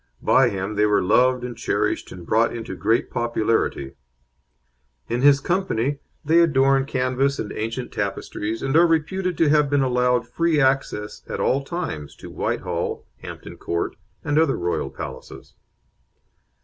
By him they were loved and cherished, and brought into great popularity; in his company they adorn canvas and ancient tapestries, and are reputed to have been allowed free access at all times to Whitehall, Hampton Court, and other royal palaces.